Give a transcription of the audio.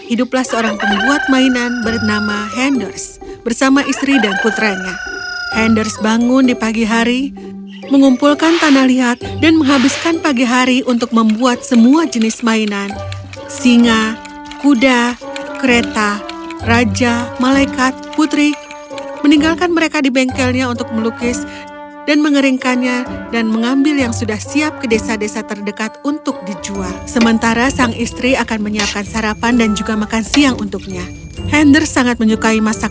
iblis wanita yang baik